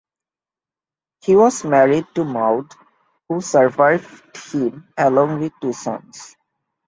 He was married to Maude who survived him along with two sons.